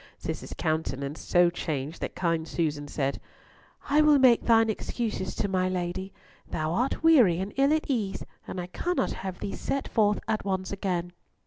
Cis's countenance so changed that kind Susan said, "I will make thine excuses to my Lady. Thou art weary and ill at ease, and I cannot have thee set forth at once again."